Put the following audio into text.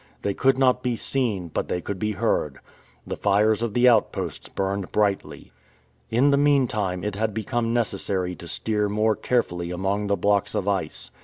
They could not be seen, but they could be heard. The fires of the outposts burned brightly. In the meantime it had become necessary to steer more carefully among the blocks of ice.